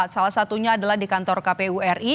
salah satunya adalah di kantor kpuri